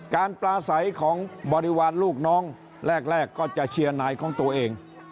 ปลาใสของบริวารลูกน้องแรกก็จะเชียร์นายของตัวเอง